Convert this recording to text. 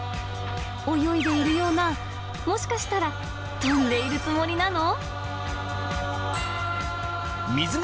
泳いでいるような、もしかしたら飛んでいるつもりなの？